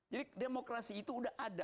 jadi demokrasi itu udah ada